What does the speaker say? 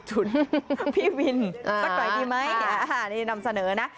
พี่วินสักหน่อยดีไหมนี่นำเสนอนะ